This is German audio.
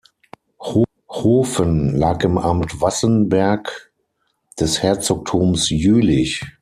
Hoven lag im Amt Wassenberg des Herzogtums Jülich.